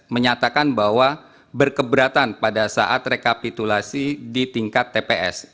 menyatakan bahwa berkeberatan pada saat rekapitulasi di tingkat tps